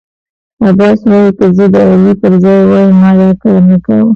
عباس وايی که زه د علي پر ځای وای ما دا کارنه کاوه.